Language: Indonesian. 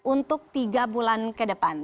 untuk tiga bulan kedepan